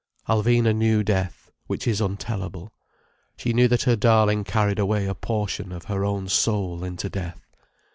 Alvina knew death—which is untellable. She knew that her darling carried away a portion of her own soul into death.